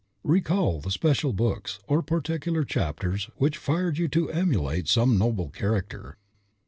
Read the special books, or particular chapters which fired you to emulate some noble character.